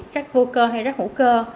rac vô cơ hay rac hữu cơ